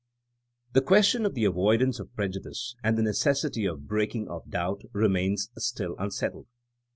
The question of the avoidance of prejudice and the necessity of breaking off doubt, remains still unsettled.